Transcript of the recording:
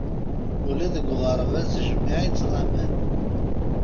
Ula deg uɣerbaz jmiɛ i ttɣaman.